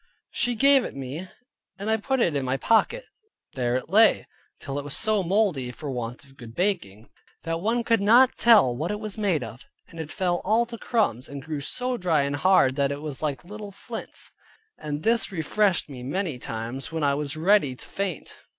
She gave it me, and I put it in my pocket; there it lay, till it was so moldy (for want of good baking) that one could not tell what it was made of; it fell all to crumbs, and grew so dry and hard, that it was like little flints; and this refreshed me many times, when I was ready to faint.